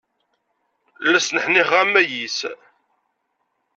La sneḥniḥeɣ am wayis.